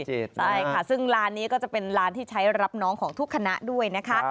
ใช่ค่ะซึ่งร้านนี้ก็จะเป็นร้านที่ใช้รับน้องของทุกคณะด้วยนะคะ